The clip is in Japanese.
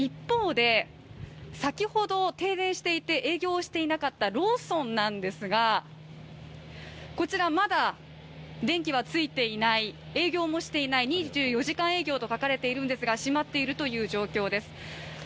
ただですね、一方で先ほど停電していて営業をしていなかったローソンなんですがこちらまだ電気はついていない営業もしていない２４時間営業と書かれているんですがしまっているという状況です